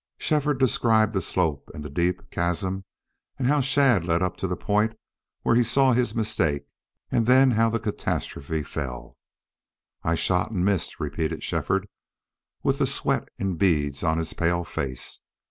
Shefford described the slope and the deep chasm and how Shadd led up to the point where he saw his mistake and then how the catastrophe fell. "I shot and missed," repeated Shefford, with the sweat in beads on his pale face.